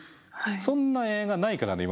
そんな映画ないからね